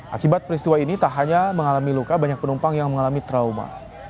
akibat peristiwa ini tak hanya penumpang yang terluka tetapi penumpang yang terluka juga